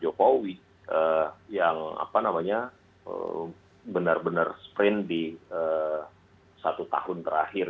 jokowi yang benar benar sprint di satu tahun terakhir